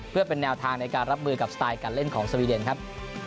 เพื่อเป็นแนวทางในการรับมือกับสไตล์การเล่นของสวีเดนครับ